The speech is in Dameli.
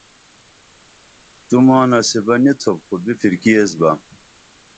تو ماں نصیبہ نی تھوپ خو بپھرکی ایس بہ